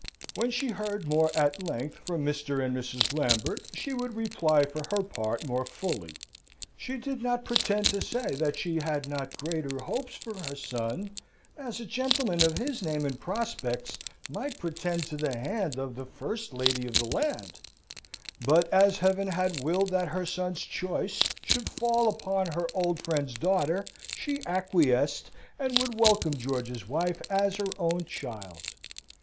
When she heard more at length from Mr. and Mrs. Lambert, she would reply for her part more fully. She did not pretend to say that she had not greater hopes for her son, as a gentleman of his name and prospects might pretend to the hand of the first lady of the land; but as Heaven had willed that her son's choice should fall upon her old friend's daughter, she acquiesced, and would welcome George's wife as her own child.